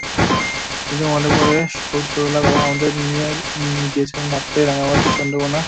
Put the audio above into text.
কিন্তু মনে পড়ে, খুব ছোটবেলায় বাবা আমাদের নিয়ে গিয়েছিলেন কাপ্তাই, রাঙামাটি, চন্দ্রঘোনা।